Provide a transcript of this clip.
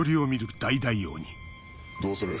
どうする？